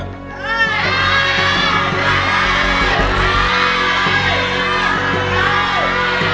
ให้ร้าน